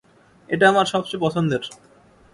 এটা আমার সবচেয়ে পছন্দের।